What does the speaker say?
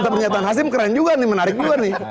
pernyataan hasim keren juga nih menarik juga nih